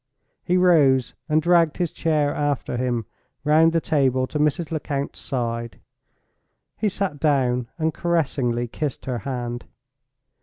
He rose, and dragged his chair after him, round the table to Mrs. Lecount's side. He sat down and caressingly kissed her hand.